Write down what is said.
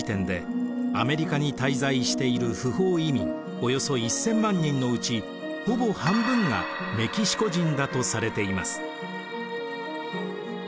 およそ１，０００万人のうちほぼ半分がメキシコ人だとされています。